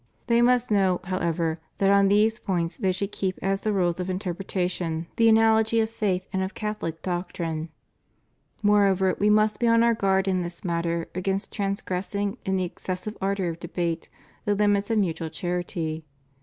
They must know, however, that on these points they should keep as the rules of interpretation the analogy of faith and of Catholic doctrine. Moreover, we must be on our guard in this matter against transgressing, in the excessive ardor of debate, the limits of mutual char ity.